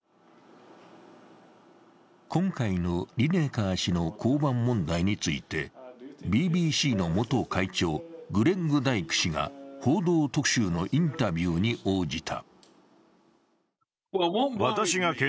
今回のリネカー氏の降板問題についてＢＢＣの元会長、グレッグ・ダイク氏が「報道特集」のインタビューに応じた。